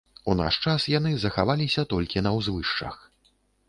У наш час яны захаваліся толькі на ўзвышшах.